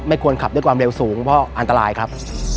ควรขับด้วยความเร็วสูงเพราะอันตรายครับ